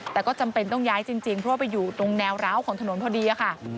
แต่ก็จำเป็นต้องย้ายจริงเพราะว่าไปอยู่ตรงแนวร้าวของถนนพอดีค่ะ